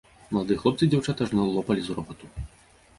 Маладыя хлопцы і дзяўчаты ажно лопалі з рогату.